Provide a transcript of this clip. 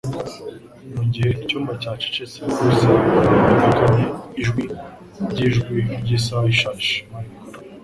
Mugihe icyumba cyacecetse, gusa humvikanye ijwi ryijwi ryisaha ishaje (Mariko)